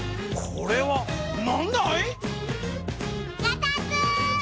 これはなんだい？